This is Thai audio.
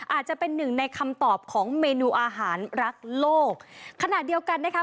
อาจจะเป็นหนึ่งในคำตอบของเมนูอาหารรักโลกขณะเดียวกันนะคะ